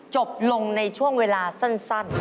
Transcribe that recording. จบลงในช่วงเวลาสั้น